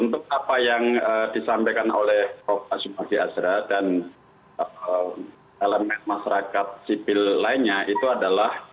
untuk apa yang disampaikan oleh prof asmati azra dan elemen masyarakat sipil lainnya itu adalah